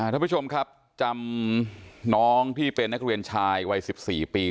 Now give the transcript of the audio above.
ท่านผู้ชมครับจำน้องที่เป็นนักเรียนชายวัย๑๔ปี